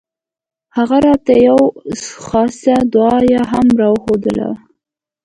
هغه راته يوه خاصه دعايه هم راوښووله.